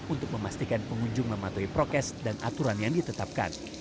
untuk memastikan pengunjung mematuhi prokes dan aturan yang ditetapkan